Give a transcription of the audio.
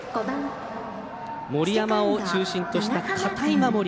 森山を中心とした堅い守り。